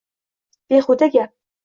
Behuda gap!